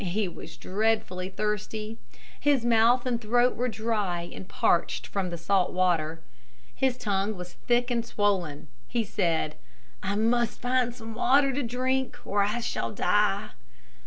He was dreadfully thirsty. His mouth and throat were dry and parched from the salt water. His tongue was thick and swollen. He said, "I must find some water to drink or I shall die!"